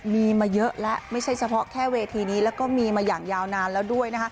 มีมาเยอะแล้วไม่ใช่เฉพาะแค่เวทีนี้แล้วก็มีมาอย่างยาวนานแล้วด้วยนะคะ